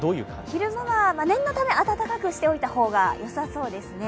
昼間は念のため、暖かくしておいた方がいいですね。